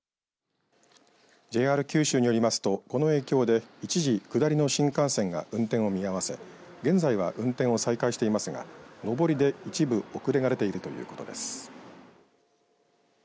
ＪＲ九州によりますとこの影響で一時、下りの新幹線が運転を見合わせ現在は運転を再開していますが上りで一部遅れが出ているということです。